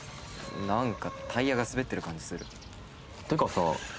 何かタイヤが滑ってる感じするてかさ